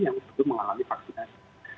yang sudah mengalami vaksinasi